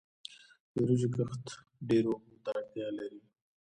د وریجو کښت ډیرو اوبو ته اړتیا لري.